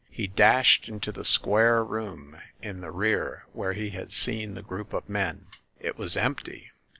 He dashed into the square room in the rear where he had seen the group of men. It was empty